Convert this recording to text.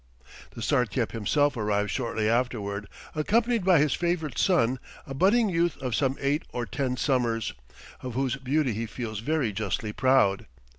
The Sartiep himself arrives shortly afterward, accompanied by his favorite son, a budding youth of some eight or ten summers, of whose beauty he feels very justly proud.